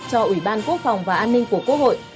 cho ủy ban quốc phòng và an ninh của quốc hội